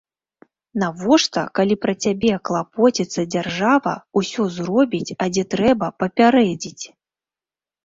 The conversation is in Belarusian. Навошта, калі пра цябе клапоціцца дзяржава, усё зробіць, а дзе трэба, папярэдзіць?